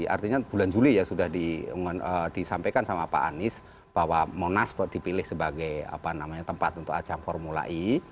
artinya bulan juli ya sudah disampaikan sama pak anies bahwa monas dipilih sebagai tempat untuk ajang formula e